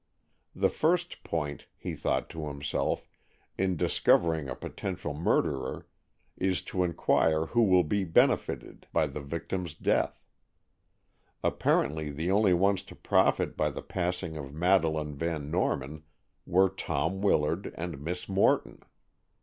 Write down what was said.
The first point, he thought to himself, in discovering a potential murderer, is to inquire who will be benefited by the victim's death. Apparently the only ones to profit by the passing of Madeleine Van Norman were Tom Willard and Miss Morton.